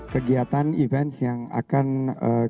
kegiatan event yang akan